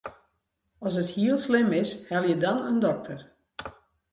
As it hiel slim is, helje dan in dokter.